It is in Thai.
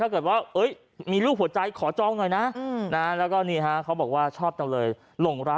เขาบอกว่ากินปลาแล้วก็จะฉลาด